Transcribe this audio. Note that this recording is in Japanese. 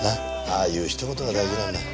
ああいう一言が大事なんだ。